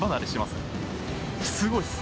すごいです。